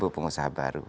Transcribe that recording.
sepuluh pengusaha baru